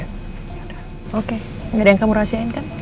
yaudah oke gak ada yang kamu rahasiain kan